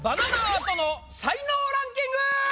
アートの才能ランキング！